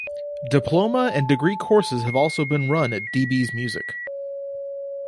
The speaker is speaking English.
Diploma and degree courses have also been run at dBs Music.